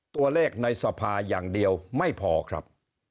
ในสภาอย่างเดียวไม่พอครับ